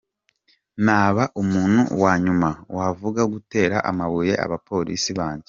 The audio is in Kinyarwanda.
Naba umuntu wa nyuma wavuga gutera amabuye abapolisi banjye.